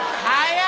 はい。